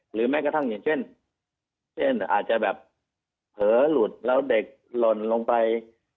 แม้กระทั่งอย่างเช่นเช่นอาจจะแบบเผลอหลุดแล้วเด็กหล่นลงไป